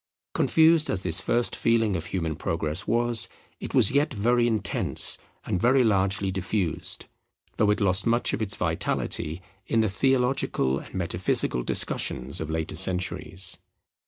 Confused as this first feeling of human Progress was, it was yet very intense and very largely diffused; though it lost much of its vitality in the theological and metaphysical discussions of later centuries.